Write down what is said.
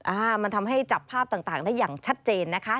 อ่ามันทำให้จับภาพต่างต่างได้อย่างชัดเจนนะคะ